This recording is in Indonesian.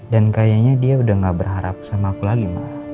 dan kayaknya dia udah gak berharap sama aku lagi ma